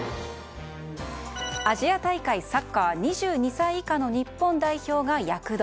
アジア大会サッカー２２歳以下の日本代表が躍動。